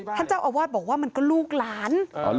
ท่านเจ้าอาวาสบอกว่ามันก็ลูกหลาน